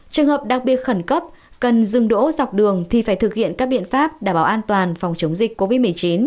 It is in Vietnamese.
trường hợp đặc biệt khẩn cấp cần dừng đỗ dọc đường thì phải thực hiện các biện pháp đảm bảo an toàn phòng chống dịch covid một mươi chín